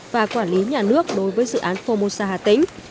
và quản lý nhà nước đối với dự án formosa hà tĩnh